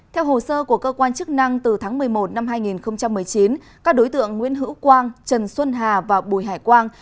theo hồ sơ của cơ quan chức năng từ tháng một mươi một năm hai nghìn một mươi chín các đối tượng nguyễn hữu quang trần xuân hà và bùi hải quang